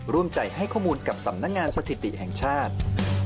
ร่วมใจให้ข้อมูลกับสำนักงานสถิติแห่งชาติ